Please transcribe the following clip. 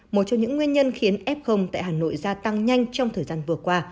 một trong những nguyên nhân khiến f tại hà nội gia tăng nhanh trong thời gian vừa qua